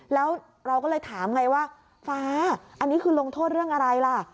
แล้วเราก็เลยถามไงว่าฟ้าอันนี้คือลงโทษเรื่องอะไรล่ะ